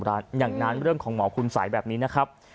ทางทักกรรมดาอย่างน้้ำเรื่องของหมอคุณสัยแบบนี้นะครับ